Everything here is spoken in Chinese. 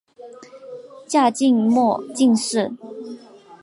嘉靖末进士。